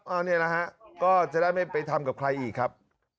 อันนี้นะฮะก็จะได้ไม่ไปทำกับใครอีกครับ